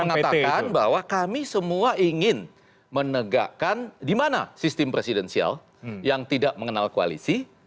mengatakan bahwa kami semua ingin menegakkan di mana sistem presidensial yang tidak mengenal koalisi